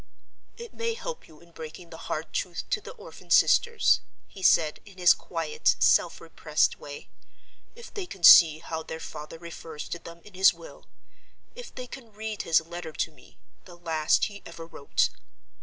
"It may help you in breaking the hard truth to the orphan sisters," he said, in his quiet, self repressed way, "if they can see how their father refers to them in his will—if they can read his letter to me, the last he ever wrote.